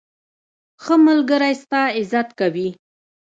ښه ملګری ستا عزت کوي.